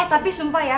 eh tapi sumpah ya